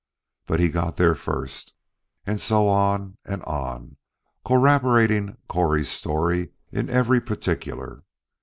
But he got there first and so on and on, corroborating Correy's story in every particular.